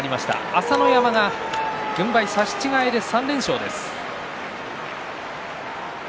朝乃山が軍配差し違えで３連勝です。